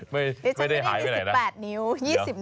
ไม่ได้หายไปไหนนะ